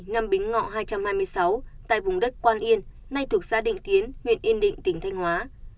năm bình ngọ hai trăm hai mươi sáu tại vùng đất quan yên nay thuộc xã định tiến huyện yên định tỉnh thanh hóa